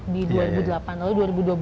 membangun paud di dua ribu delapan